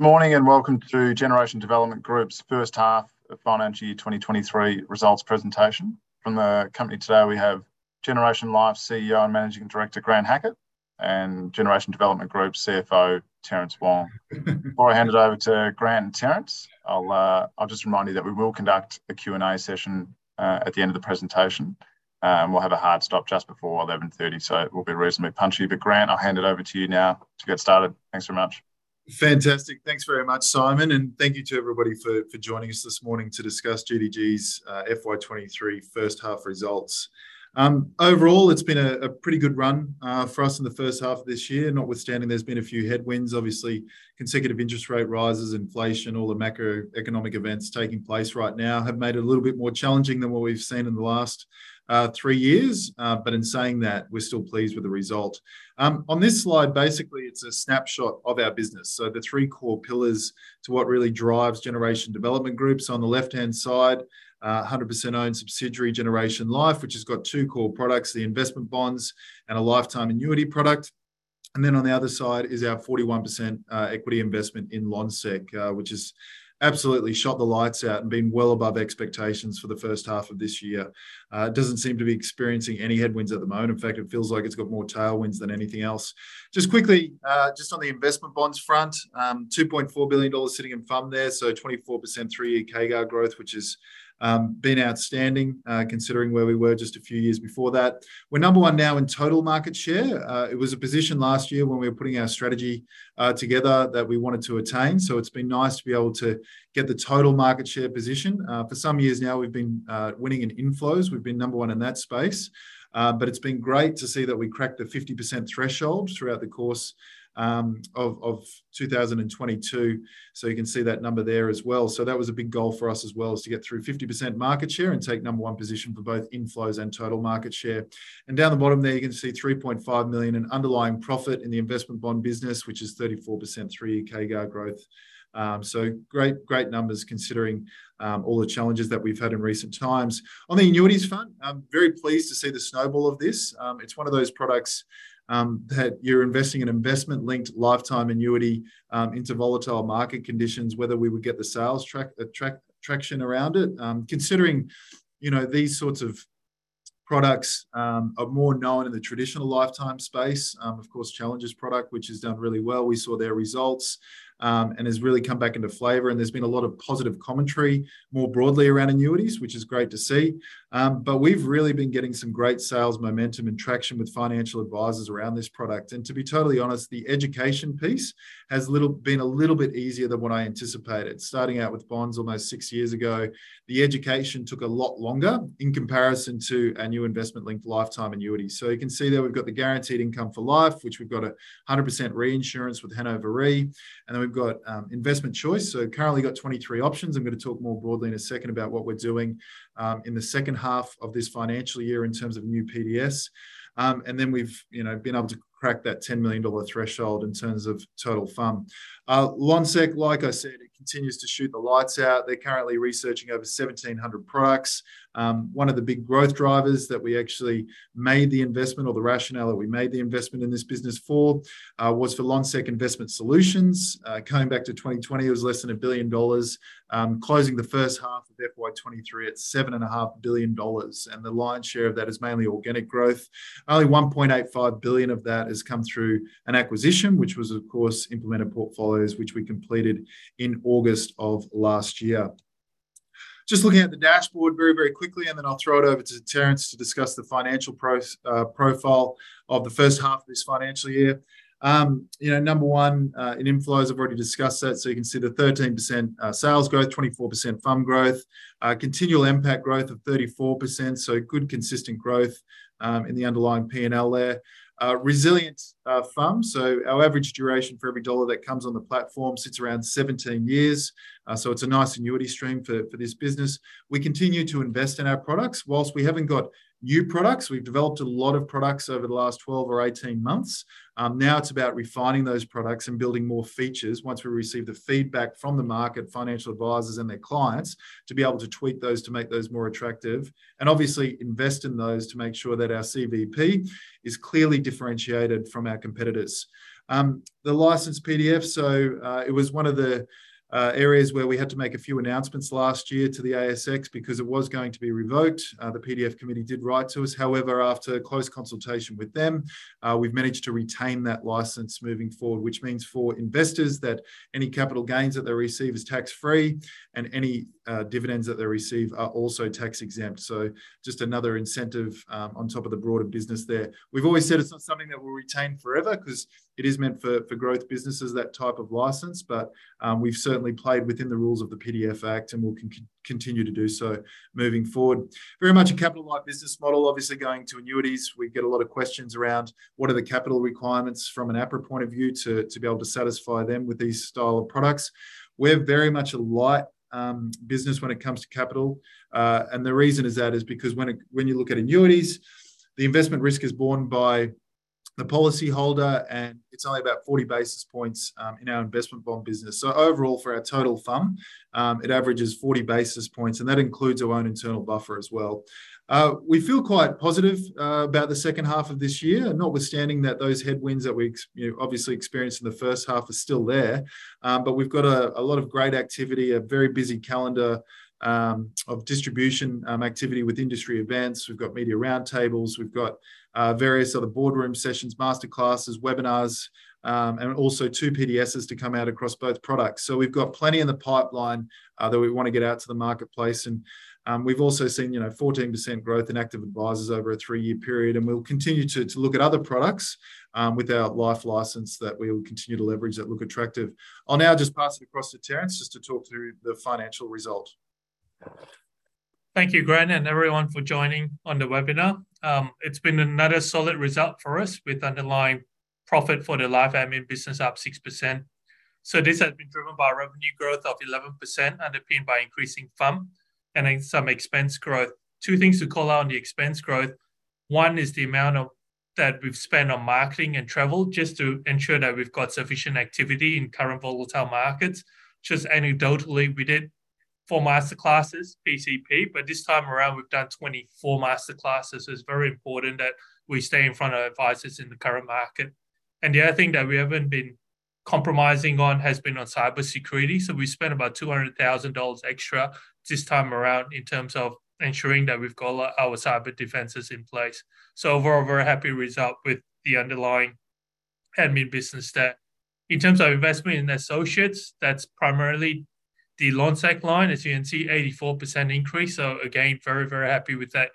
Good morning, welcome to Generation Development Group's first half of financial year 2023 results presentation. From the company today we have Generation Life CEO and Managing Director, Grant Hackett, and Generation Development Group CFO, Terence Wong. Before I hand it over to Grant and Terence, I'll just remind you that we will conduct a Q&A session at the end of the presentation. We'll have a hard stop just before 11:30 A.M., it will be reasonably punchy. Grant, I'll hand it over to you now to get started. Thanks very much. Fantastic. Thanks very much, Simon, thank you to everybody for joining us this morning to discuss GDG's FY 2023 first half results. Overall it's been a pretty good run for us in the first half of this year, notwithstanding here's been a few headwinds. Obviously, consecutive interest rate rises, inflation, all the macroeconomic events taking place right now have made it a little bit more challenging than what we've seen in the last three years. In saying that, we're still pleased with the result. On this slide, basically it's a snapshot of our business. The three core pillars to what really drives Generation Development Group. On the left-hand side, 100% owned subsidiary, Generation Life, which has got two core products, the investment bonds and a lifetime annuity product. On the other side is our 41% equity investment in Lonsec, which has absolutely shot the lights out and been well above expectations for the first half of this year. It doesn't seem to be experiencing any headwinds at the moment. In fact, it feels like it's got more tailwinds than anything else. Just quickly, just on the investment bonds front, 2.4 billion dollars sitting in FUM there, so 24% three-year CAGR growth, which has been outstanding, considering where we were just a few years before that. We're number one now in total market share. It was a position last year when we were putting our strategy together that we wanted to attain, so it's been nice to be able to get the total market share position. For some years now we've been winning in inflows. We've been number one in that space. It's been great to see that we wracked the 50% threshold throughout the course of 2022. You can see that number there as well. That was a big goal for us as well, is to get through 50% market share and take number one position for both inflows and total market share. Down the bottom there you can see 3.5 million in underlying profit in the investment bond business, which is 34% three-year CAGR growth. Great numbers considering all the challenges that we've had in recent times. On the annuities front, I'm very pleased to see the snowball of this. It's one of those products that you're investing in investment-linked lifetime annuity into volatile market conditions, whether we would get the sales traction around it. Considering, you know, these sorts of products are more known in the traditional lifetime space, of course Challenger's product, which has done really well, we saw their results, and has really come back into flavor, and there's been a lot of positive commentary more broadly around annuities, which is great to see. We've really been getting some great sales momentum and traction with financial advisors around this product. To be totally honest, the education piece has been a little bit easier than what I anticipated. Starting out with bonds almost six years ago, the education took a lot longer in comparison to our new investment-linked lifetime annuity. You can see there we've got the guaranteed income for life, which we've got 100% reinsurance with Hannover Re. We've got investment choice, currently got 23 options. I'm gonna talk more broadly in a second about what we're doing in the second half of this financial year in terms of new PDS. Then we've, you know, been able to crack that 10 million dollar threshold in terms of total FUM. Lonsec, like I said, it continues to shoot the lights out. They're currently researching over 1,700 products. One of the big growth drivers that we actually made the investment or the rationale that we made the investment in this business for was for Lonsec Investment Solutions. Coming back to 2020 it was less than 1 billion dollars. Closing the first half of FY 2023 at 7.5 billion dollars, and the lion's share of that is mainly organic growth. Only 1.85 billion of that has come through an acquisition, which was of course Implemented Portfolios, which we completed in August of last year. Looking at the dashboard very, very quickly, and then I'll throw it over to Terence to discuss the financial profile of the first half of this financial year. You know, number one, in inflows, I've already discussed that. You can see the 13% sales growth, 24% FUM growth. Continual NPAT growth of 34%, so good consistent growth in the underlying P&L there. Resilient FUM. Our average duration for every dollar that comes on the platform sits around 17 years, so it's a nice annuity stream for this business. We continue to invest in our products. We haven't got new products, we've developed a lot of products over the last 12 or 18 months. Now it's about refining those products and building more features once we receive the feedback from the market, financial advisers and their clients, to be able to tweak those to make those more attractive, and obviously invest in those to make sure that our CVP is clearly differentiated from our competitors. The licensed PDF, it was one of the areas where we had to make a few announcements last year to the ASX because it was going to be revoked. The PDF committee did write to us. However, after close consultation with them, we've managed to retain that license moving forward, which means for investors that any capital gains that they receive is tax-free, and any dividends that they receive are also tax-exempt. Just another incentive on top of the broader business there. We've always said it's not something that we'll retain forever ’cause it is meant for growth businesses, that type of license. We've certainly played within the rules of the PDF Act and we'll continue to do so moving forward. Very much a capital light business model. Obviously going to annuities, we get a lot of questions around what are the capital requirements from an APRA point of view to be able to satisfy them with these style of products. We're very much a light business when it comes to capital. The reason is that is because when you look at annuities, the investment risk is borne by the policyholder, and it's only about 40 basis points in our investment bond business. Overall, for our total FUM, it averages 40 basis points, and that includes our own internal buffer as well. We feel quite positive about the second half of this year, notwithstanding that those headwinds that we experienced in the first half are still there. We've got a lot of great activity, a very busy calendar of distribution activity with industry events. We've got media roundtables, we've got various other boardroom sessions, master classes, webinars, and also two PDSs to come out across both products. We've got plenty in the pipeline that we wanna get out to the marketplace. We've also seen, you know, 14% growth in active advisors over a three-year period, and we'll continue to look at other products with our life license that we will continue to leverage that look attractive. I'll now just pass it across to Terence just to talk through the financial result. Thank you, Grant, and everyone for joining on the webinar. It's been another solid result for us with underlying profit for the life admin business up 6%. This has been driven by revenue growth of 11%, underpinned by increasing FUM and then some expense growth. Two things to call out on the expense growth. One is the amount that we've spent on marketing and travel, just to ensure that we've got sufficient activity in current volatile markets. Just anecdotally, we did four master classes PCP, but this time around we've done 24 master classes. It's very important that we stay in front of our advisors in the current market. The other thing that we haven't been compromising on has been on cybersecurity. We spent about 200,000 dollars extra this time around in terms of ensuring that we've got our cyber defenses in place. Overall, a very happy result with the underlying admin business there. In terms of investment in associates, that's primarily the Lonsec line. As you can see, 84% increase, so again, very, very happy with that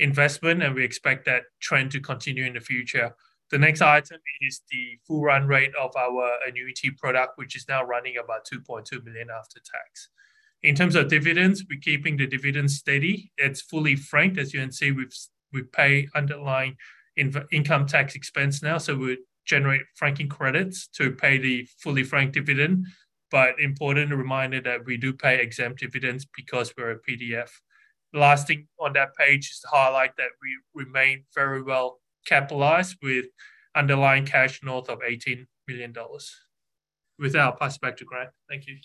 investment, and we expect that trend to continue in the future. The next item is the full run rate of our annuity product, which is now running about 2.2 million after tax. In terms of dividends, we're keeping the dividends steady. It's fully franked. As you can see, we pay underlying income tax expense now, so we generate franking credits to pay the fully franked dividend. Important reminder that we do pay exempt dividends because we're a PDF. The last thing on that page is to highlight that we remain very well capitalized with underlying cash north of 18 million dollars. With that, I'll pass it back to Grant. Thank you.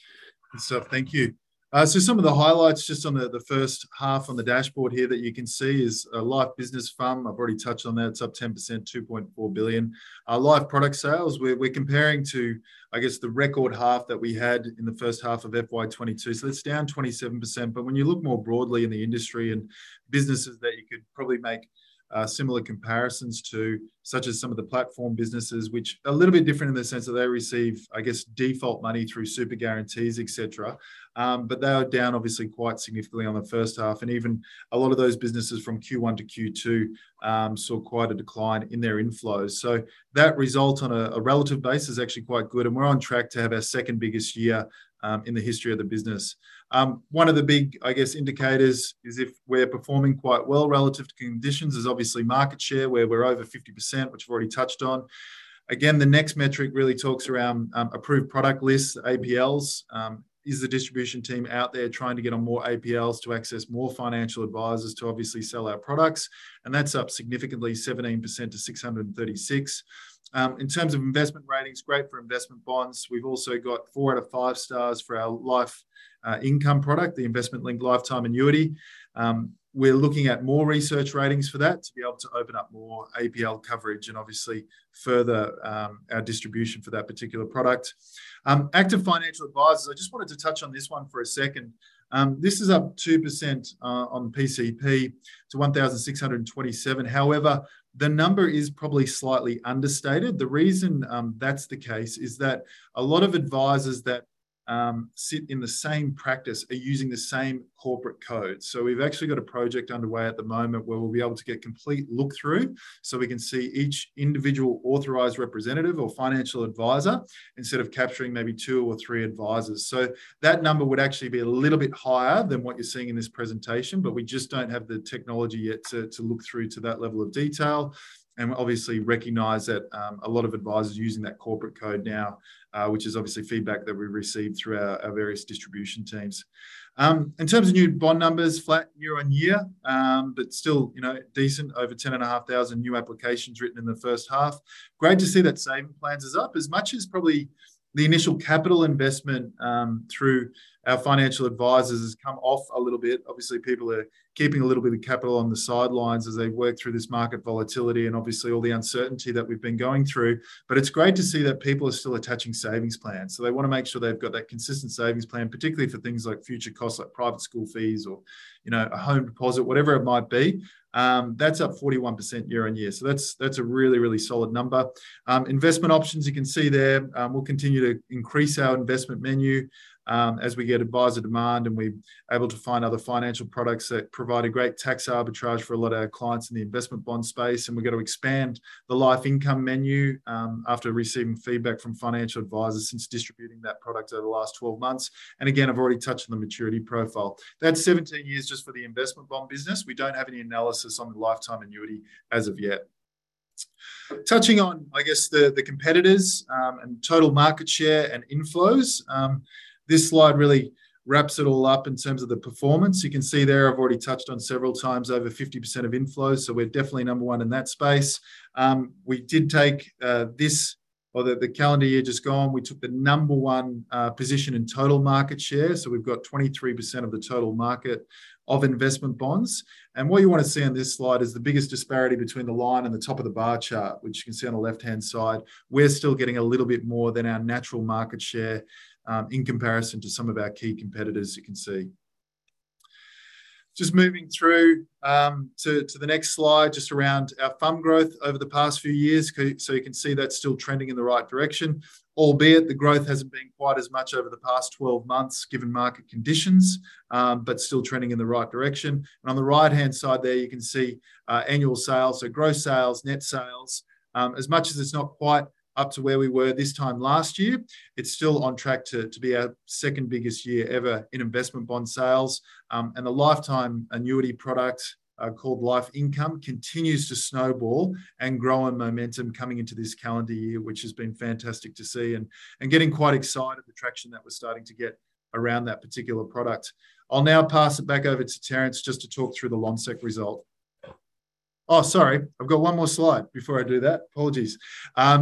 Thank you. So some of the highlights just on the first half on the dashboard here that you can see is life business FUM. I've already touched on that. It's up 10%, 2.4 billion. Our life product sales, we're comparing to, I guess, the record half that we had in the first half of FY 2022, so that's down 27%. When you look more broadly in the industry and businesses that you could probably make similar comparisons to, such as some of the platform businesses, which are a little bit different in the sense that they receive, I guess, default money through super guarantees, et cetera. They are down obviously quite significantly on the first half. Even a lot of those businesses from Q1 to Q2 saw quite a decline in their inflows. That result on a relative basis is actually quite good, and we're on track to have our second biggest year in the history of the business. One of the big, I guess, indicators is if we're performing quite well relative to conditions is obviously market share, where we're over 50%, which we've already touched on. The next metric really talks around approved product lists, APLs. Is the distribution team out there trying to get on more APLs to access more financial advisors to obviously sell our products, and that's up significantly 17% to 636. In terms of investment ratings, great for investment bonds. We've also got four out of five stars for our LifeIncome product, the investment-linked lifetime annuity. We're looking at more research ratings for that to be able to open up more APL coverage and obviously further our distribution for that particular product. Active financial advisors, I just wanted to touch on this one for a second. This is up 2% on PCP to 1,627. However, the number is probably slightly understated. The reason that's the case is that a lot of advisors that sit in the same practice are using the same corporate code. We've actually got a project underway at the moment where we'll be able to get complete look-through, so we can see each individual authorized representative or financial advisor instead of capturing maybe two or three advisors. That number would actually be a little bit higher than what you're seeing in this presentation, but we just don't have the technology yet to look through to that level of detail. We obviously recognize that a lot of advisors are using that corporate code now, which is obviously feedback that we've received through our various distribution teams. In terms of new bond numbers, flat year-over-year, but still, you know, decent. Over 10,500 new applications written in the first half. Great to see that savings plans is up. As much as probably the initial capital investment through our financial advisors has come off a little bit. Obviously, people are keeping a little bit of capital on the sidelines as they work through this market volatility and obviously all the uncertainty that we've been going through. It's great to see that people are still attaching savings plans. They wanna make sure they've got that consistent savings plan, particularly for things like future costs, like private school fees or, you know, a home deposit, whatever it might be. That's up 41% year-on-year, that's a really, really solid number. Investment options you can see there. We'll continue to increase our investment menu as we get advisor demand, and we're able to find other financial products that provide a great tax arbitrage for a lot of our clients in the investment bond space. We're gonna expand the LifeIncome menu after receiving feedback from financial advisors since distributing that product over the last 12 months. Again, I've already touched on the maturity profile. That's 17 years just for the investment bond business. We don't have any analysis on the lifetime annuity as of yet. Touching on, I guess, the competitors and total market share and inflows. This slide really wraps it all up in terms of the performance. You can see there, I've already touched on several times, over 50% of inflows, so we're definitely number one in that space. We did take this, or the calendar year just gone, we took the number one position in total market share. We've got 23% of the total market of investment bonds. What you wanna see on this slide is the biggest disparity between the line and the top of the bar chart, which you can see on the left-hand side. We're still getting a little bit more than our natural market share in comparison to some of our key competitors, you can see. Just moving through to the next slide, just around our FUM growth over the past few years. So you can see that's still trending in the right direction, albeit the growth hasn't been quite as much over the past 12 months given market conditions, but still trending in the right direction. On the right-hand side there, you can see annual sales, so gross sales, net sales. As much as it's not quite up to where we were this time last year, it's still on track to be our second biggest year ever in investment bond sales. And the lifetime annuity product called LifeIncome continues to snowball and grow in momentum coming into this calendar year, which has been fantastic to see and getting quite excited at the traction that we're starting to get around that particular product. I'll now pass it back over to Terence just to talk through the Lonsec result. Oh, sorry. I've got one more slide before I do that. Apologies.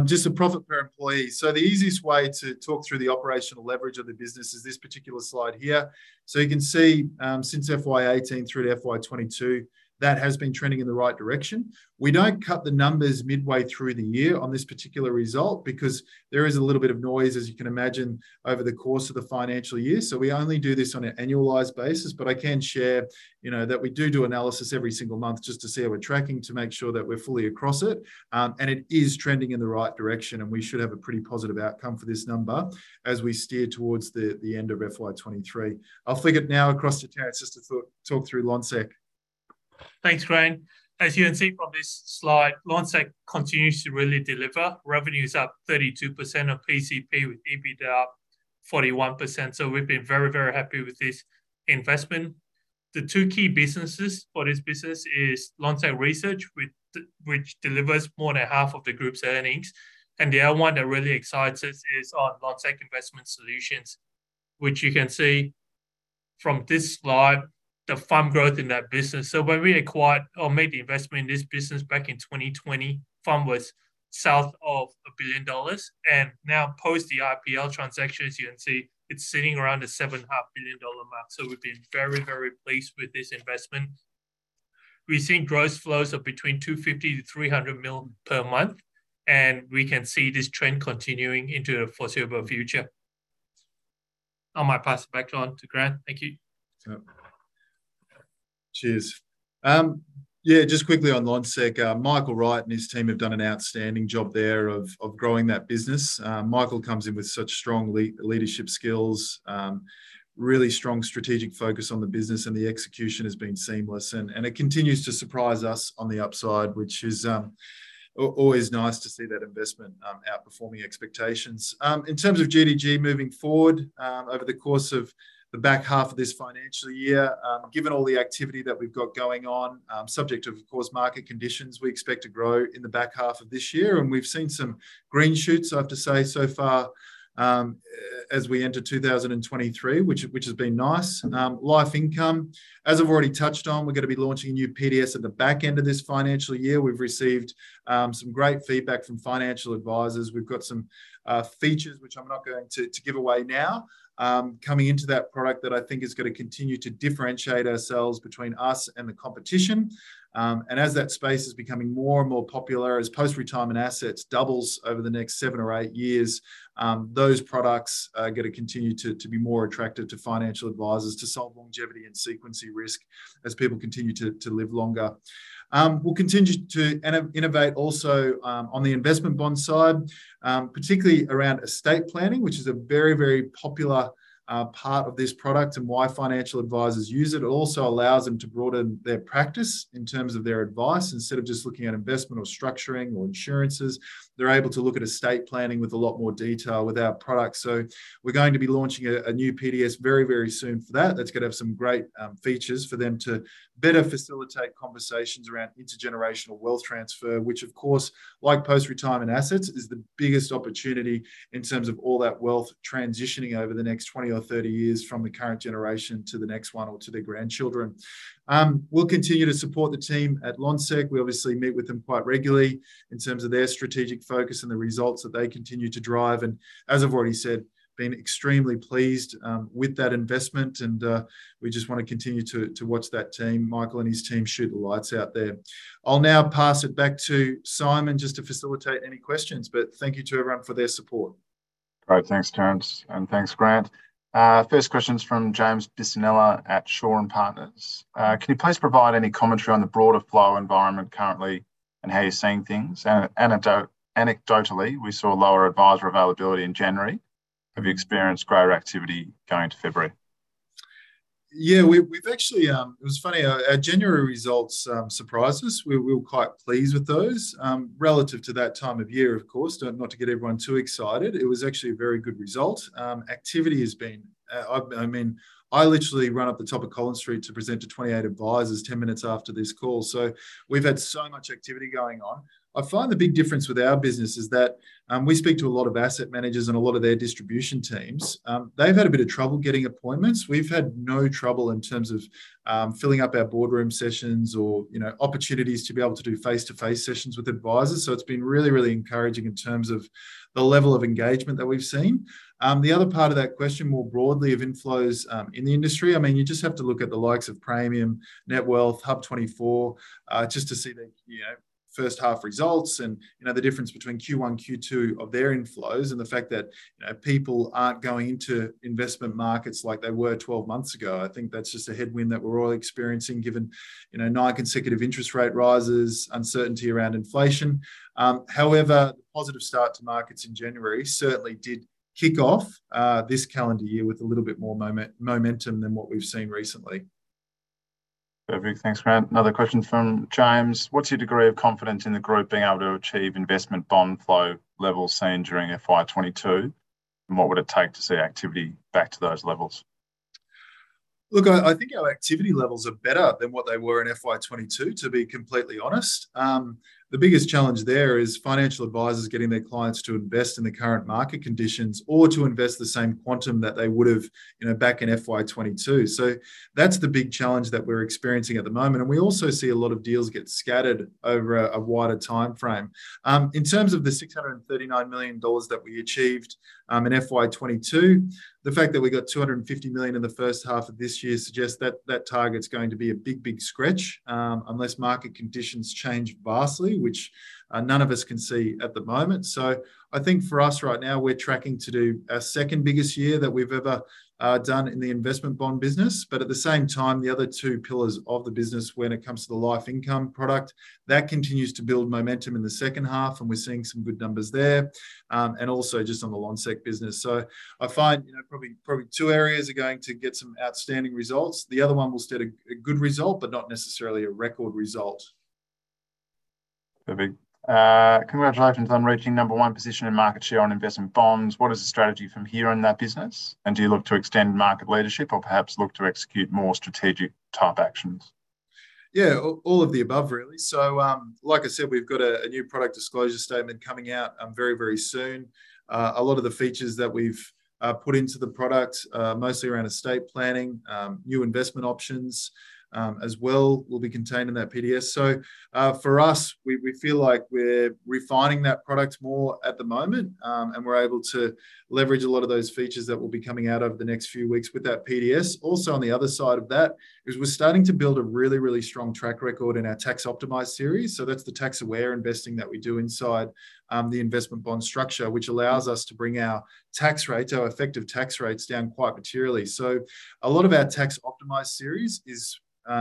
Just the profit per employee. The easiest way to talk through the operational leverage of the business is this particular slide here. You can see, since FY 2018 through to FY 2022, that has been trending in the right direction. We don't cut the numbers midway through the year on this particular result because there is a little bit of noise, as you can imagine, over the course of the financial year, so we only do this on an annualized basis. I can share, you know, that we do analysis every single month just to see how we're tracking to make sure that we're fully across it. It is trending in the right direction, and we should have a pretty positive outcome for this number as we steer towards the end of FY 2023. I'll flick it now across to Terence just to talk through Lonsec. Thanks, Grant. As you can see from this slide, Lonsec continues to really deliver. Revenue's up 32% of PCP, with EBITA up 41%. We've been very happy with this investment. The two key businesses for this business is Lonsec Research, which delivers more than half of the group's earnings, and the other one that really excites us is our Lonsec Investment Solutions, which you can see from this slide, the FUM growth in that business. When we acquired or made the investment in this business back in 2020, FUM was south of 1 billion dollars. Now post the IPL transaction, as you can see, it's sitting around the 7.5 billion dollar mark. We've been very pleased with this investment. We've seen gross flows of between 250 million-300 million per month, and we can see this trend continuing into the foreseeable future. I might pass it back on to Grant. Thank you. Cheers. Yeah, just quickly on Lonsec, Michael Wright and his team have done an outstanding job there of growing that business. Michael comes in with such strong leadership skills, really strong strategic focus on the business, and the execution has been seamless. It continues to surprise us on the upside, which is always nice to see that investment outperforming expectations. In terms of GDG moving forward, over the course of the back half of this financial year, given all the activity that we've got going on, subject, of course, to market conditions, we expect to grow in the back half of this year. We've seen some green shoots, I have to say, so far, as we enter 2023, which has been nice. LifeIncome, as I've already touched on, we're going to be launching a new PDS at the back end of this financial year. We've received some great feedback from financial advisors. We've got some features, which I'm not going to give away now, coming into that product that I think is going to continue to differentiate ourselves between us and the competition. As that space is becoming more and more popular, as post-retirement assets doubles over the next seven or eight years, those products are going to continue to be more attractive to financial advisors to solve longevity and sequencing risk as people continue to live longer. We'll continue to innovate also on the investment bonds side, particularly around estate planning, which is a very, very popular part of this product and why financial advisors use it. It also allows them to broaden their practice in terms of their advice. Instead of just looking at investment or structuring or insurances, they're able to look at estate planning with a lot more detail with our products. We're going to be launching a new PDS very, very soon for that. That's going to have some great features for them to better facilitate conversations around intergenerational wealth transfer, which of course, like post-retirement assets, is the biggest opportunity in terms of all that wealth transitioning over the next 20 or 30 years from the current generation to the next one or to their grandchildren. We'll continue to support the team at Lonsec. We obviously meet with them quite regularly in terms of their strategic focus and the results that they continue to drive, and as I've already said, been extremely pleased with that investment. We just wanna continue to watch that team, Michael and his team, shoot the lights out there. I'll now pass it back to Simon just to facilitate any questions, thank you to everyone for their support. Great. Thanks, Terence, and thanks, Grant. First question's from James Bisinella at Shaw and Partners. "Can you please provide any commentary on the broader flow environment currently and how you're seeing things? Anecdotally, we saw lower advisor availability in January. Have you experienced greater activity going into February? Yeah, we've actually. It was funny, our January results surprised us. We were quite pleased with those relative to that time of year, of course. Not to get everyone too excited. It was actually a very good result. Activity has been, I mean, I literally ran up the top of Collins Street to present to 28 advisors 10 minutes after this call. We've had so much activity going on. I find the big difference with our business is that we speak to a lot of asset managers and a lot of their distribution teams. They've had a bit of trouble getting appointments. We've had no trouble in terms of filling up our boardroom sessions or, you know, opportunities to be able to do face-to-face sessions with advisors. It's been really, really encouraging in terms of the level of engagement that we've seen. The other part of that question more broadly of inflows in the industry, I mean, you just have to look at the likes of Praemium, Netwealth, HUB24, just to see the, you know, first half results and, you know, the difference between Q1, Q2 of their inflows and the fact that, you know, people aren't going into investment markets like they were 12 months ago. I think that's just a headwind that we're all experiencing given, you know, nine consecutive interest rate rises, uncertainty around inflation. However, the positive start to markets in January certainly did kick off this calendar year with a little bit more momentum than what we've seen recently. Perfect. Thanks, Grant. Another question from James. What's your degree of confidence in the group being able to achieve investment bond flow levels seen during FY 2022? What would it take to see activity back to those levels? I think our activity levels are better than what they were in FY 2022, to be completely honest. The biggest challenge there is financial advisors getting their clients to invest in the current market conditions or to invest the same quantum that they would've, you know, back in FY 2022. That's the big challenge that we're experiencing at the moment, and we also see a lot of deals get scattered over a wider timeframe. In terms of the 639 million dollars that we achieved in FY 2022, the fact that we got 250 million in the first half of this year suggests that that target's going to be a big, big stretch unless market conditions change vastly, which none of us can see at the moment. I think for us right now we're tracking to do our second biggest year that we've ever done in the investment bond business. At the same time, the other two pillars of the business when it comes to the LifeIncome product, that continues to build momentum in the second half, and we're seeing some good numbers there, and also just on the Lonsec business. I find, you know, probably two areas are going to get some outstanding results. The other one will still a good result, but not necessarily a record result. Perfect. Congratulations on reaching number one position in market share on investment bonds. What is the strategy from here on that business, do you look to extend market leadership or perhaps look to execute more strategic type actions? All of the above, really. Like I said, we've got a new product disclosure statement coming out very, very soon. A lot of the features that we've put into the product mostly around estate planning, new investment options, as well, will be contained in that PDS. For us, we feel like we're refining that product more at the moment, and we're able to leverage a lot of those features that will be coming out over the next few weeks with that PDS. On the other side of that is we're starting to build a really, really strong track record in our Tax Optimised investment series. That's the tax aware investing that we do inside the investment bond structure, which allows us to bring our tax rates, our effective tax rates down quite materially. A lot of our Tax Optimised series is, you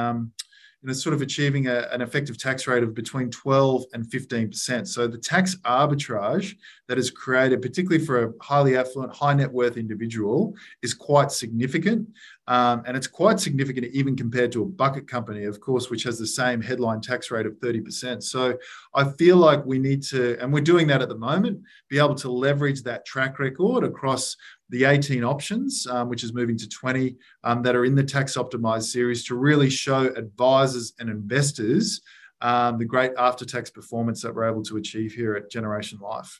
know, sort of achieving a, an effective tax rate of between 12%-15%. The tax arbitrage that is created, particularly for a highly affluent, high net worth individual, is quite significant. And it's quite significant even compared to a bucket company, of course, which has the same headline tax rate of 30%. I feel like we need to, and we're doing that at the moment, be able to leverage that track record across the 18 options, which is moving to 20, that are in the Tax Optimised series, to really show advisors and investors, the great after-tax performance that we're able to achieve here at Generation Life.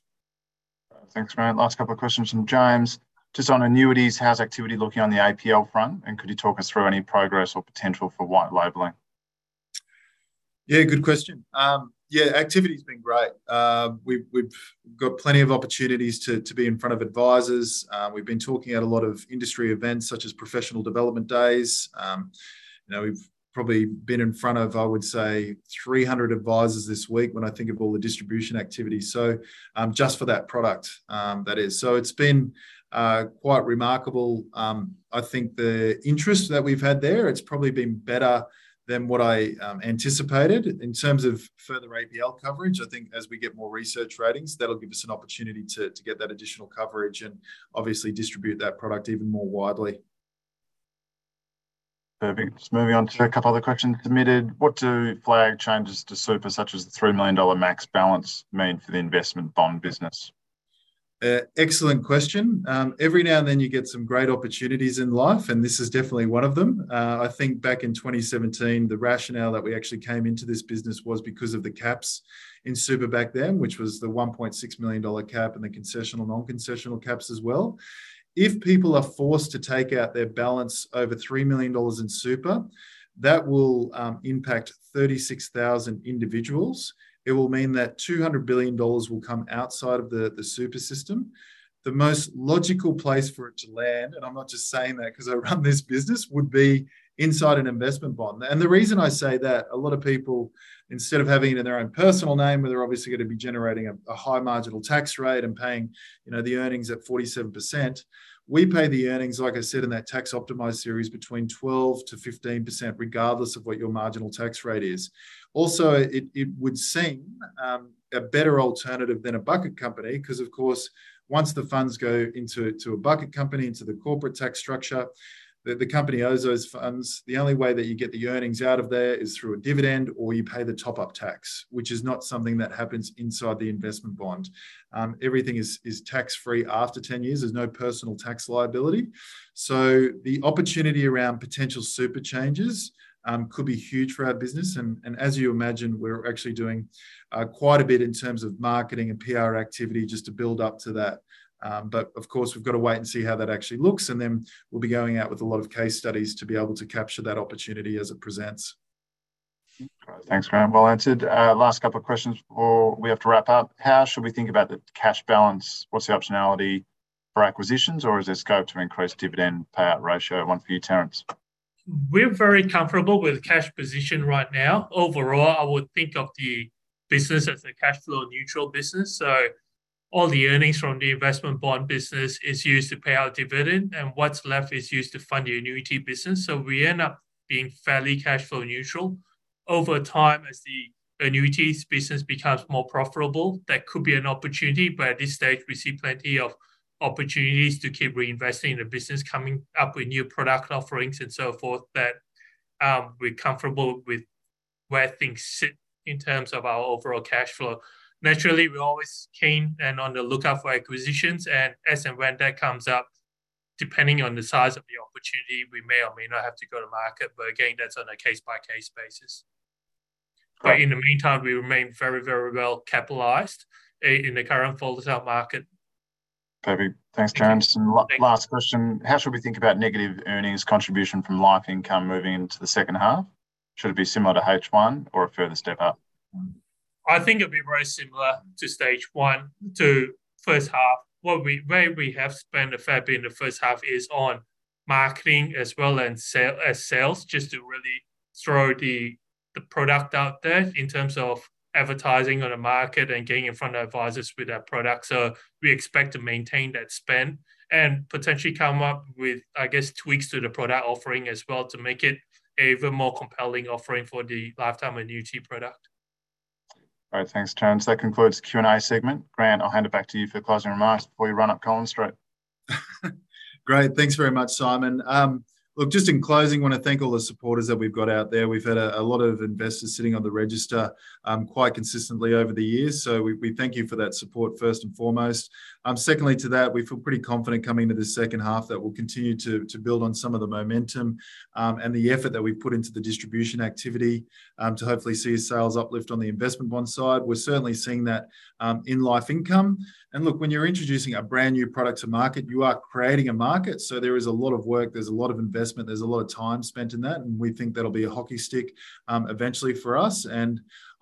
Thanks, Grant. Last couple of questions from James. Just on annuities, how's activity looking on the APL front, and could you talk us through any progress or potential for white labelling? Yeah, good question. Yeah, activity's been great. We've got plenty of opportunities to be in front of advisors. We've been talking at a lot of industry events such as professional development days. You know, we've probably been in front of, I would say, 300 advisors this week when I think of all the distribution activity, so just for that product, that is. It's been quite remarkable. I think the interest that we've had there, it's probably been better than what I anticipated. In terms of further APL coverage, I think as we get more research ratings, that'll give us an opportunity to get that additional coverage and obviously distribute that product even more widely. Perfect. Just moving on to a couple other questions submitted. What do flagged changes to super such as the 3 million dollar max balance mean for the investment bond business? Excellent question. Every now and then you get some great opportunities in life, and this is definitely one of them. I think back in 2017, the rationale that we actually came into this business was because of the caps in super back then, which was the $1.6 million cap and the concessional, non-concessional caps as well. If people are forced to take out their balance over $3 million in super, that will impact 36,000 individuals. It will mean that $200 billion will come outside of the super system. The most logical place for it to land, and I'm not just saying that 'cause I run this business, would be inside an investment bond. The reason I say that, a lot of people, instead of having it in their own personal name, where they're obviously gonna be generating a high marginal tax rate and paying, you know, the earnings at 47%, we pay the earnings, like I said, in that Tax Optimised series between 12%-15%, regardless of what your marginal tax rate is. Also, it would seem a better alternative than a bucket company, 'cause of course once the funds go into a bucket company, into the corporate tax structure, the company owes those funds. The only way that you get the earnings out of there is through a dividend or you pay the top-up tax, which is not something that happens inside the investment bond. Everything is tax-free after 10 years. There's no personal tax liability. The opportunity around potential super changes, could be huge for our business and as you imagine, we're actually doing quite a bit in terms of marketing and PR activity just to build up to that. Of course we've gotta wait and see how that actually looks, and then we'll be going out with a lot of case studies to be able to capture that opportunity as it presents. Great. Thanks, Grant. Well answered. Last couple of questions before we have to wrap up. How should we think about the cash balance? What's the optionality for acquisitions or is there scope to increase dividend payout ratio? One for you, Terence. We're very comfortable with cash position right now. Overall, I would think of the business as a cash flow neutral business. All the earnings from the investment bond business is used to pay our dividend, and what's left is used to fund the annuity business. We end up being fairly cash flow neutral. Over time, as the annuities business becomes more profitable, that could be an opportunity, but at this stage we see plenty of opportunities to keep reinvesting in the business, coming up with new product offerings and so forth, that we're comfortable with where things sit in terms of our overall cash flow. Naturally, we're always keen and on the lookout for acquisitions and as, and when that comes up, depending on the size of the opportunity, we may or may not have to go to market, but again, that's on a case-by-case basis. Great. In the meantime we remain very well capitalized in the current folded up market. Perfect. Thanks, Terence. Thanks. Last question. How should we think about negative earnings contribution from LifeIncome moving into the second half? Should it be similar to H1 or a further step up? I think it'd be very similar to stage one, to first half. Where we have spent a fair bit in the first half is on marketing as well and as sales, just to really throw the product out there in terms of advertising on a market and getting in front of advisors with our product. We expect to maintain that spend, and potentially come up with, I guess, tweaks to the product offering as well to make it a even more compelling offering for the lifetime annuity product. All right. Thanks, Terence. That concludes the Q&A segment. Grant, I'll hand it back to you for closing remarks before you run up Collins Street. Great. Thanks very much, Simon. Look, just in closing, wanna thank all the supporters that we've got out there. We've had a lot of investors sitting on the register, quite consistently over the years, so we thank you for that support first and foremost. Secondly to that, we feel pretty confident coming into the second half that we'll continue to build on some of the momentum, and the effort that we've put into the distribution activity, to hopefully see a sales uplift on the investment bond side. We're certainly seeing that in LifeIncome. Look, when you're introducing a brand-new product to market, you are creating a market, so there is a lot of work, there's a lot of investment, there's a lot of time spent in that, and we think that'll be a hockey stick eventually for us.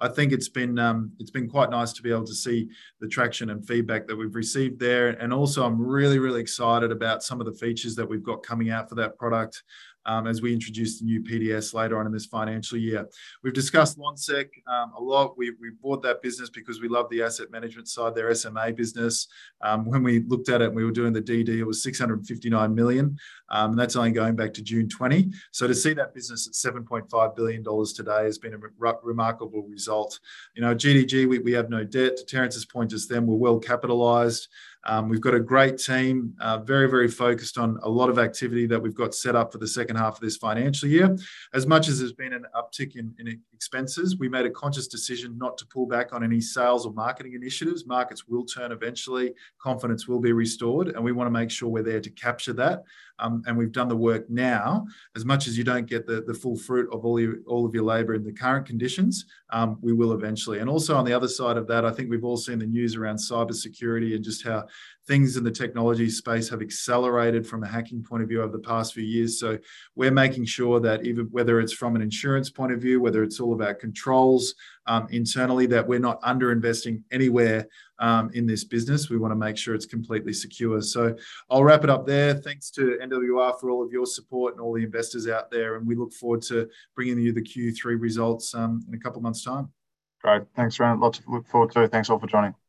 I think it's been quite nice to be able to see the traction and feedback that we've received there. Also I'm really, really excited about some of the features that we've got coming out for that product as we introduce the new PDS later on in this financial year. We've discussed Lonsec a lot. We bought that business because we love the asset management side, their SMA business. When we looked at it when we were doing the DD, it was 659 million, and that's only going back to June 2020. To see that business at 7.5 billion dollars today has been a remarkable result. You know, at GDG we have no debt. To Terence's point just then, we're well capitalized. We've got a great team, very, very focused on a lot of activity that we've got set up for the second half of this financial year. As much as there's been an uptick in expenses, we made a conscious decision not to pull back on any sales or marketing initiatives. Markets will turn eventually. Confidence will be restored, and we wanna make sure we're there to capture that. We've done the work now. As much as you don't get the full fruit of all your, all of your labor in the current conditions, we will eventually. Also on the other side of that, I think we've all seen the news around cybersecurity and just how things in the technology space have accelerated from a hacking point of view over the past few years. We're making sure that even whether it's from an insurance point of view, whether it's all of our controls, internally, that we're not under-investing anywhere, in this business. We wanna make sure it's completely secure. I'll wrap it up there. Thanks to NWR for all of your support and all the investors out there, and we look forward to bringing you the Q3 results in a couple of months' time. Great. Thanks, Grant. Lot to look forward to. Thanks all for joining.